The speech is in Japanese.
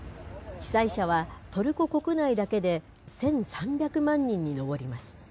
被災者はトルコ国内だけで１３００万人に上ります。